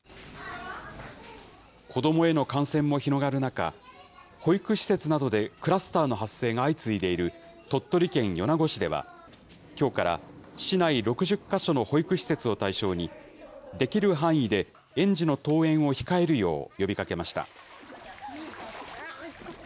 子どもへの感染も広がる中、保育施設などでクラスターの発生が相次いでいる鳥取県米子市では、きょうから市内６０か所の保育施設を対象に、できる範囲で園児の登園を控えるよう呼びかけました。